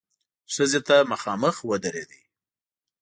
ښځې ته مخامخ ودرېد.